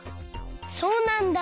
そうなんだ。